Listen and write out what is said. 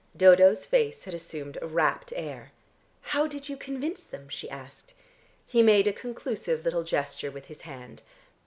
Dodo's face had assumed a rapt air. "How did you convince them?" she asked. He made a conclusive little gesture with his hand.